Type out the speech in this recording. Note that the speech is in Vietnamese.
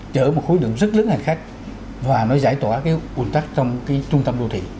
chở một khối lượng rất lớn hành khách và nó giải tỏa cái ồn tắc trong cái trung tâm đô thị